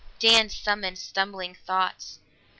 Dan summoned stumbling thoughts.